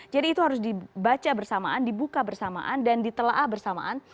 jadi itu harus dibaca bersamaan dibuka bersamaan dan ditelaa bersamaan